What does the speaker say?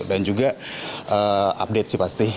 dan juga update sih pasti